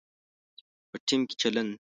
په ټیم کې چلند